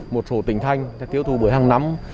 một số tỉnh thanh tiêu thụ bưởi hàng năm